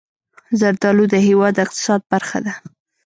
زردالو د هېواد د اقتصاد برخه ده.